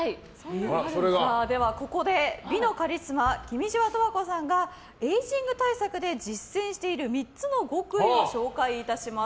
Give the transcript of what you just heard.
では、ここで美のカリスマ君島十和子さんがエイジング対策で実践している３つの極意を紹介いたします。